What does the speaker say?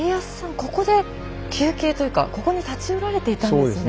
ここで休憩というかここに立ち寄られていたんですね。